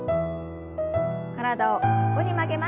体を横に曲げます。